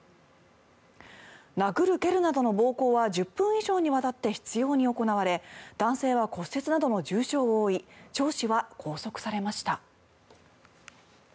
殴る蹴るなどの暴行は１０分以上にわたって執ように行われ男性は骨折などの重傷を負いチョウ氏は拘束されました。